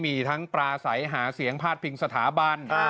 มีทั้งปราศัยหาเสียงพาดพิงสถาบัน